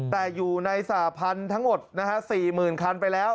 แต่อยู่ในสาพันธุ์ทั้งหมด๔๐๐๐คันไปแล้ว